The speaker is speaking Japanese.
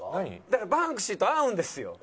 だからバンクシーと会うんですよ。